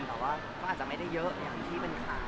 แต่ว่าก็อาจจะไม่ได้เยอะอย่างที่เป็นข่าว